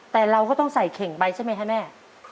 แต่เราก็ต้องใส่เข่งไปใช่ไหมคะแม่